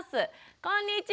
こんにちは！